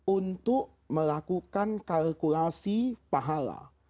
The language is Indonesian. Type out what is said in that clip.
untuk melakukan kalkulasi pahala